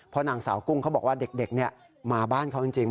เพราะนางสาวกุ้งเขาบอกว่าเด็กมาบ้านเขาจริง